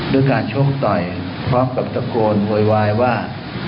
ด้วยการชกต่อยพร้อมกับตะโกนโวยวายว่า